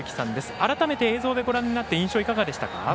改めて、映像でご覧になって印象いかがでしたか？